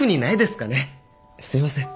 すいません。